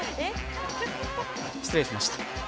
失礼しました。